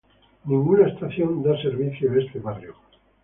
Ninguna estación da servicio a este barrio.